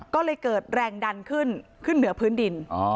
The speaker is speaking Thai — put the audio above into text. ก็เลยเกิดแรงดันขึ้นขึ้นเหนือพื้นดิน